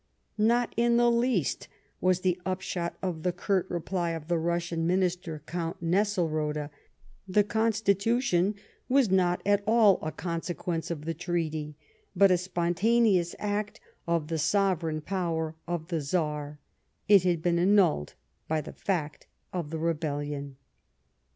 " Not in the least," was the upshot of the curt reply of the Russian minister, Oount Nesselrode, '' the constitution was not at all a consequence of the treaty, but a spontaneous act of the sovereign power of the •Czar ; it had been annulled by the fact of the rebel lion."